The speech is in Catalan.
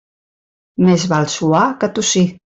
Més val suar que tossir.